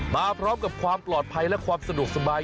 มาพร้อมกับความปลอดภัยและความสะดวกสบาย